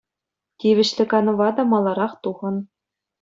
Тивӗҫлӗ канӑва та маларах тухӑн.